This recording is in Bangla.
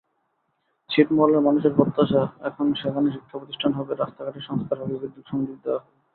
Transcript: ছিটমহলের মানুষের প্রত্যাশা, এখন সেখানে শিক্ষাপ্রতিষ্ঠান হবে, রাস্তাঘাটের সংস্কার হবে, বিদ্যুৎ-সংযোগ দেওয়া হবে।